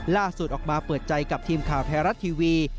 ล่าสุดออกมาเปิดใจกับทีมข่าวไทยรัฐทีวี